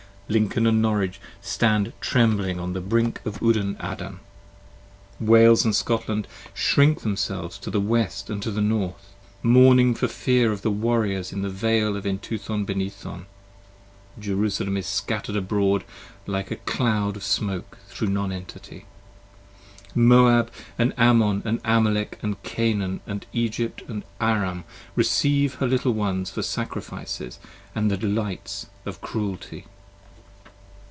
10 Lincoln & Norwich stand trembling on the brink of Udan Adan! Wales and Scotland shrink themselves to the west and to the North! Mourning for fear of the warriors in the Vale of Entuthon Benython ~ Jerusalem is scatter'd abroad like a cloud of smoke thro' non entity: Moab & Ammon & Amalek & Canaan & Egypt & Aram 15 Recieve her little ones for sacrifices and the delights of cruelty.